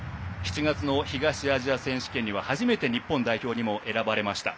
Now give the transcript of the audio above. ７月の東アジア選手権には初めて日本代表にも選ばれました。